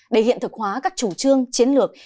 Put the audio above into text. để thực hóa các chủ trương chiến lược